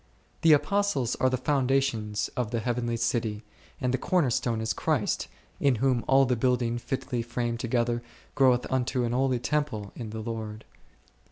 The Apostles are the foundations of the heavenly city, and the Corner stone is Christ, in whom all the building fitly framed together groweth unto an holy temple in the Lord x